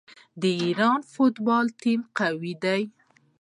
د ایران فوټبال ټیم قوي دی.